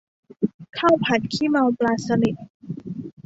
ข้าวผัดขี้เมาปลาสลิด